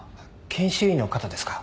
研修医の方ですか？